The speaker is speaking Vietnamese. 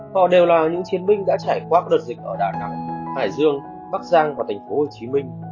họ đều là những chiến binh đã trải qua đợt dịch ở đà nẵng hải dương bắc giang và tp hcm